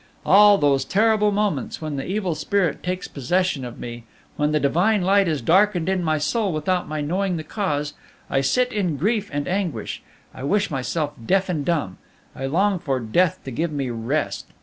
"At those terrible moments, when the evil spirit takes possession of me, when the divine light is darkened in my soul without my knowing the cause, I sit in grief and anguish, I wish myself deaf and dumb, I long for death to give me rest.